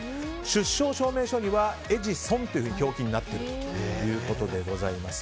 出生証明書にはエジソンという表記になっているということでございます。